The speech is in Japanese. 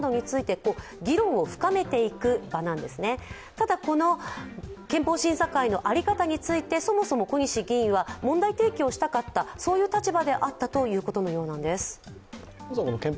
ただ、憲法審査会の在り方についてそもそも小西議員は問題提起をしたかったそういう立場であったということのようなんです。